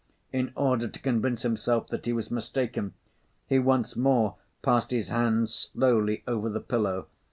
In order to convince himself that he was mistaken, he once more passed his hand slowly over the pillow.